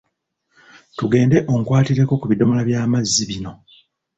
Tugende onkwatireko ku biddomola by'amazzi bino